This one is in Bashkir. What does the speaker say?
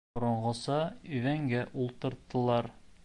Боронғоса иҙәнгә ултырттылар.